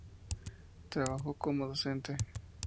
Trabajó como docente.